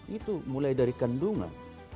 itu mulai dari kendungan